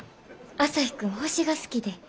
朝陽君星が好きで。